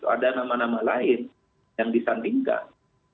ada nama nama lain yang disandingkan